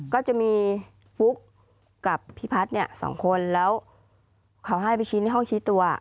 ก็จะมีฟุ๊กกับพี่พัฒน์เนี่ยสองคนแล้วเขาให้ไปชี้ในห้องชี้ตัว